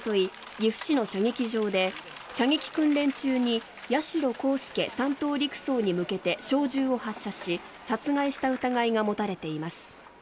岐阜市の射撃場で射撃訓練中に八代航佑３等陸曹に向けて小銃を発射し殺害した疑いが持たれています。